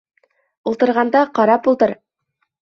Ултырғанда, ҡарап ултыр.